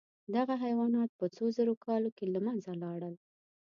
دغه حیوانات په څو زرو کالو کې له منځه لاړل.